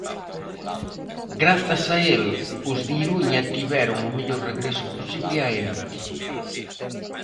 Grazas a el os de Iruña tiveron o mellor regreso posible a elite.